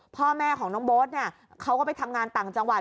พ่อแม่ของน้องโบ๊ทเนี่ยเขาก็ไปทำงานต่างจังหวัด